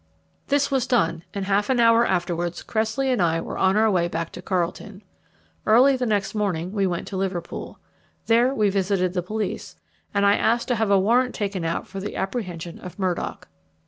This was done, and half an hour afterwards Cressley and I were on our way back to Carlton. Early the next morning we went to Liverpool. There we visited the police, and I asked to have a warrant taken out for the apprehension of Murdock.